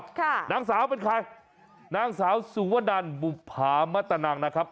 ค่ะนางสาวเป็นใครนางสาวสุวนันบุภามัตตนังนะครับ